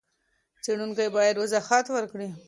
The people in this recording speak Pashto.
څېړونکی بايد وضاحت ورکړي.